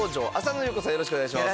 よろしくお願いします。